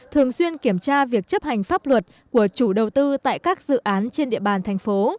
thường xuyên kiểm tra việc chấp hành pháp luật của chủ đầu tư tại các dự án trên địa bàn thành phố